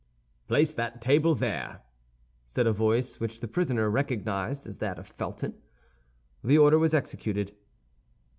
"Place that table there," said a voice which the prisoner recognized as that of Felton. The order was executed.